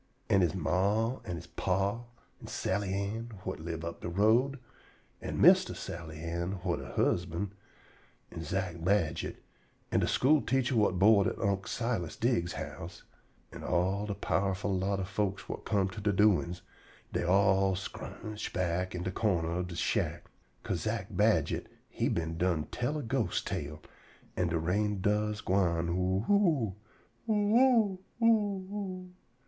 An' he ma an' he pa, an' Sally Ann, whut live up de road, an' Mistah Sally Ann, whut her husban', an' Zack Badget, an' de school teacher whut board at Unc' Silas Diggs's house, an' all de powerful lot of folks whut come to de doin's, dey all scrooged back in de cornder ob de shack, 'ca'se Zack Badget he been done tell a ghost tale, an' de rain doves gwine "Ooo oo o o o!"